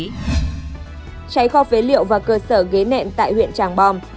trái kho phế liệu và cơ sở ghế nẹm tại huyện tràng bòm